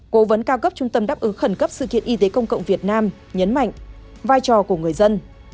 cố vấn cao cấp trung tâm đáp ứng khẩn cấp sự kiện y tế công cộng việt nam nhấn mạnh vai trò của người dân